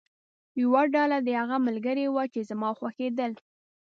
یوه ډله دې هغه ملګري وو چې زما خوښېدل.